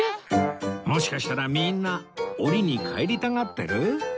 もしかしたらみんな檻に帰りたがってる？